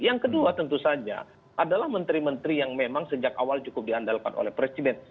yang kedua tentu saja adalah menteri menteri yang memang sejak awal cukup diandalkan oleh presiden